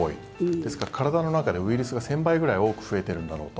ですから、体の中でウイルスが１０００倍ぐらい増えているんだろうと。